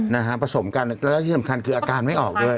นะฮะผสมกันแล้วที่สำคัญคืออาการไม่ออกด้วย